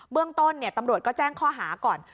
เรื่องต้นตำรวจก็แจ้งข้อหาก่อน